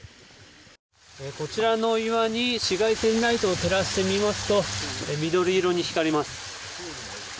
こちらの岩に紫外線ライトを照らしてみますと緑色に光ります。